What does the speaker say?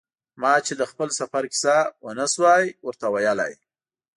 ما چې د خپل سفر کیسه و نه شو ورته ویلای.